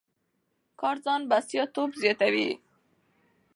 کار ځان بسیا توب زیاتوي.